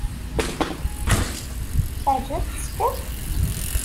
Teεǧeb-ak teskert?